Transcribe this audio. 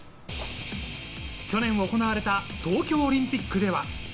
去年行われた東京オリンピックでは。